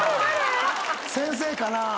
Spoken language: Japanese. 先生かな？